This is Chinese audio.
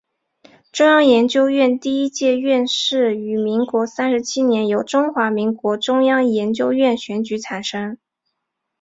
中央研究院第一届院士于民国三十七年由中华民国中央研究院选举产生。